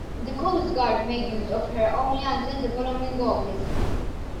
The Coast Guard made use of her only until the following August.